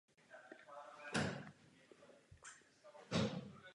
Samice má osm bradavek.